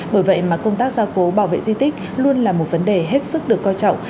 bởi vậy mà công tác gia cố bảo vệ di tích luôn là một vấn đề hết sức được coi trọng